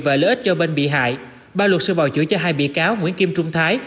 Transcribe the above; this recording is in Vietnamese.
và lợi ích cho bên bị hại ba luật sư bảo chữa cho hai bị cáo nguyễn kim trung thái